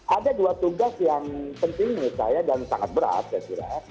ada dua tugas yang penting menurut saya dan sangat berat saya kira